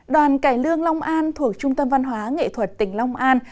đoàn cải lương long an thuộc trung tâm văn hóa nghệ thuật tỉnh long an